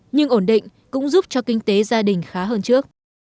nhưng ổn định cũng giúp cho kinh tế gia đình khá hơn trước